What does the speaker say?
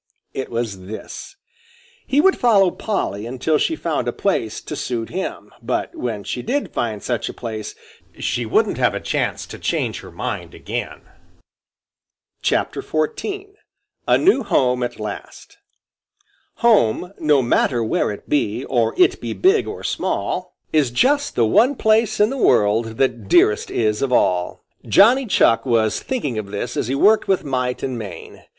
It was this: He would follow Polly until she found a place to suit him, but when she did find such a place she shouldn't have a chance to change her mind again. XIV. A NEW HOME AT LAST Home, no matter where it be, Or it be big or small, Is just the one place in the world That dearest is of all. Johnny Chuck was thinking of this as he worked with might and main.